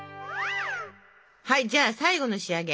はいじゃあ最後の仕上げ。